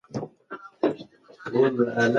ده د ښارونو پاکوالي او د خلکو روغتيا ته پام کاوه.